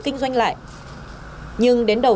kinh doanh lại nhưng đến đầu